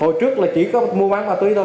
hồi trước là chỉ có mua bán ma túy thôi